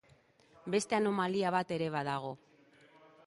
Beste anomalia bat ere badago.